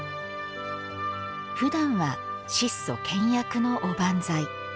ふだんは質素倹約のおばんざい。